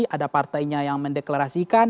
ada partainya yang mendeklarasikan